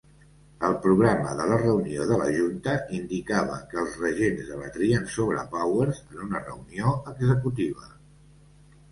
El programa de la reunió de la Junta indicava que els regents debatrien sobre Powers en una reunió executiva.